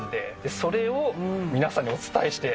それを皆さんにお伝えして。